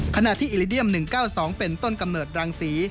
ขณะที่อิลิเดียม๑๙๒เป็นต้นกำเนิดรังศรี